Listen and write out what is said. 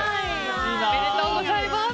おめでとうございます。